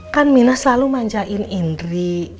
kan mina selalu manjain indri